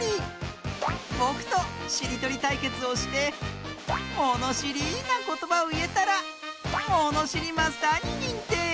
ぼくとしりとりたいけつをしてものしりなことばをいえたらものしりマスターににんてい！